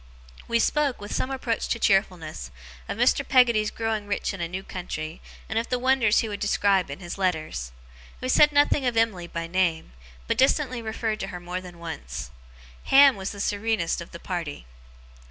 We spoke, with some approach to cheerfulness, of Mr. Peggotty's growing rich in a new country, and of the wonders he would describe in his letters. We said nothing of Emily by name, but distantly referred to her more than once. Ham was the serenest of the party.